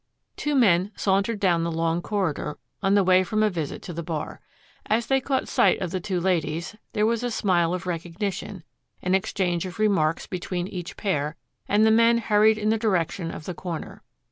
Two men sauntered down the long corridor, on the way from a visit to the bar. As they caught sight of the two ladies, there was a smile of recognition, an exchange of remarks between each pair, and the men hurried in the direction of the corner.